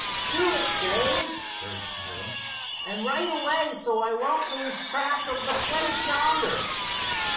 "Do it, Dave," urged Hiram, "and right away, so I won't lose track of the place yonder."